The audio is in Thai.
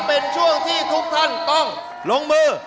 เป็นช่วงที่ทุกท่านต้องลงมือ